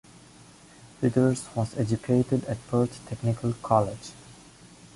Withers was educated at Perth Technical College.